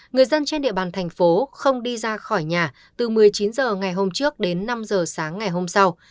người dân trên địa bàn thành phố không đi ra khỏi nhà từ một mươi chín h ngày hôm trước đến năm h sáng ngày hôm sau